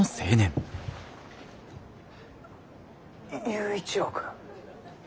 佑一郎君？